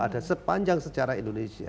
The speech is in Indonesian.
ada sepanjang secara indonesia